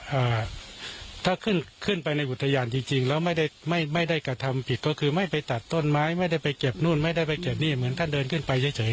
ภาพถ้าขึ้นไปในอุตยานจริงแล้วไม่ได้กระทำผิดก็คือไม่ไปตัดต้นไม้ไม่ได้ไปเก็บเหมือนถ้าเดินขึ้นไปเฉย